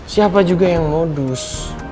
siapa juga yang modus